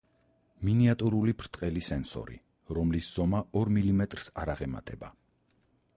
მინიატურული, ბრტყელი სენსორი, რომლის ზომა ორ მილიმეტრს არ აღემატება.